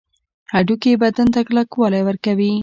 هډوکي بدن ته کلکوالی ورکوي